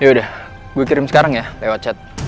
yaudah gue kirim sekarang ya lewat chat